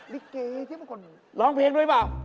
ลิเกสเดี๋ยวมาก่อนร้องเพลงด้วยเปล่า